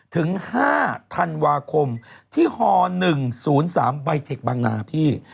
ถึง๕ธันวาคมที่ฮ๑๐๓ใบเทคบางนาพี่